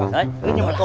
đấy nhưng mà cậu